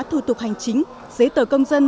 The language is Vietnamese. thủ tục hành chính giấy tờ công dân